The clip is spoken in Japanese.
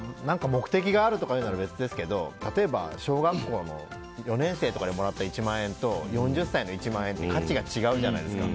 目的があるとかいうなら別ですけど例えば、小学校の４年とかでもらった１万円と４０歳の１万円って価値が違うじゃないですか。